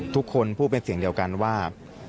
ทุกคนพูดเป็นเสียงเดียวกันว่า